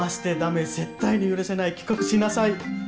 絶対に許さない帰国しなさい。